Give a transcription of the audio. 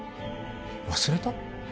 忘れた？